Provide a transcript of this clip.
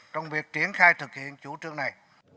trong việc triển khai thực hiện chủ trương này